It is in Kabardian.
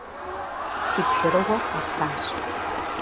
Си плъырыгъуэр къэсащ.